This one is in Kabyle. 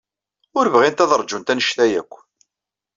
Ur bɣint ad ṛjunt anect-a akk.